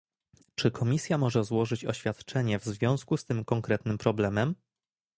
Czy Komisja może złożyć oświadczenie w związku z tym konkretnym problemem?